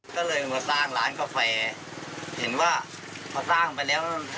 ก็เลยมาสร้างร้านกาแฟเห็นว่าพอสร้างไปแล้ว